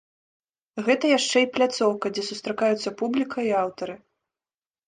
Гэта яшчэ і пляцоўка, дзе сустракаюцца публіка і аўтары.